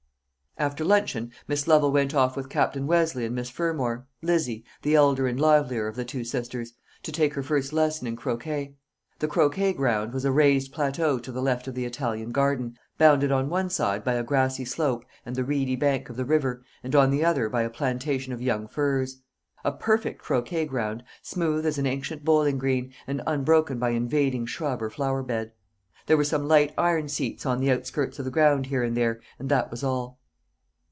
After luncheon Miss Lovel went off with Captain Westleigh and Miss Fermor Lizzie, the elder and livelier of the two sisters to take her first lesson in croquet. The croquet ground was a raised plateau to the left of the Italian garden, bounded on one side by a grassy slope and the reedy bank of the river, and on the other by a plantation of young firs; a perfect croquet ground, smooth as an ancient bowling green, and unbroken by invading shrub or flower bed. There were some light iron seats on the outskirts of the ground here and there, and that was all.